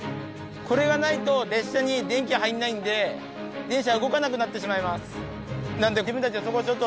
これがないと列車に電気が入らないので電車が動かなくなってしまいます。